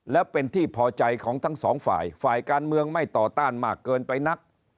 และเป็นที่พอใจของทั้งสองฝ่ายฝ่ายการเมืองไม่ต่อต้านมากเกินไปนัก